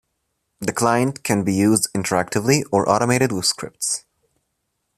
The client can be used interactively or automated with scripts.